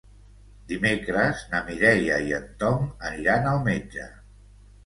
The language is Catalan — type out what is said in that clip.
Dimecres na Mireia i en Tom aniran al metge.